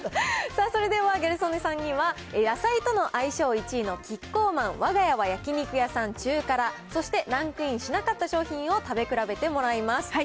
それではギャル曽根さんには、野菜との相性１位のキッコーマンわが家は焼肉屋さん中辛、そしてランクインしなかった商品を食べ比べてもらいます。